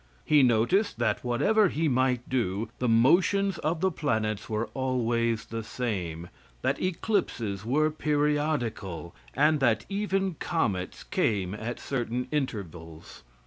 He noticed, that whatever he might do, the motions of the planets were always the same; that eclipses were periodical, and that even comets came at certain intervals.